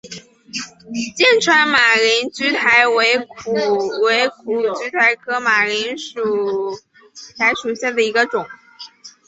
剑川马铃苣苔为苦苣苔科马铃苣苔属下的一个种。